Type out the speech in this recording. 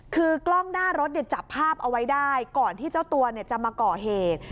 คือกล้องหน้ารถจับภาพเอาไว้ได้ก่อนที่เจ้าตัวจะมาก่อเหตุ